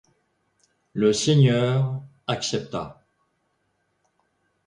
Le seigneur accepta.